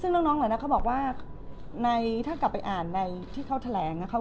ซึ่งน้องเหล่านั้นเขาบอกว่าในถ้ากลับไปอ่านในที่เขาแถลงนะคะ